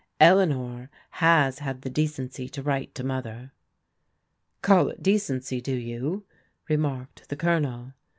Eleanor has had the decency to write to Mother." Call it decency, do you? " remarked the Colonel.